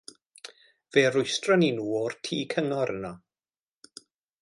Fe rwystron ni nhw o'r Tŷ Cyngor yno.